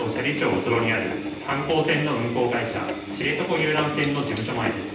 ウトロにある観光船の運航会社、知床遊覧船の事務所前です。